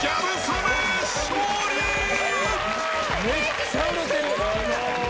めっちゃ売れてる。